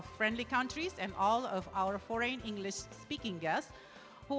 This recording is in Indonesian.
pemerintah indonesia dan semua para penerima bahasa inggris kita